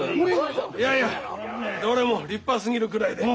いやいやどれも立派すぎるくらいで。